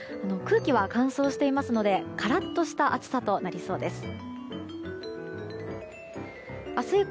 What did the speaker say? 空気は乾燥していますのでカラッとした暑さとなりそうです。